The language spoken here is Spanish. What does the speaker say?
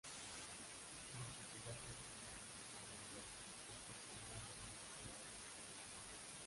La sociedad ha incluido muchos miembros del personal de la Universidad de Moscú.